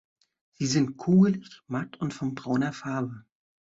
Sie sind kugelig, matt und von brauner Farbe.